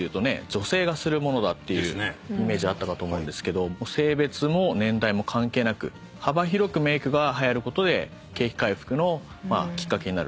女性がするものだっていうイメージあったかと思うんですけど性別も年代も関係なく幅広くメイクがはやることで景気回復のきっかけになると。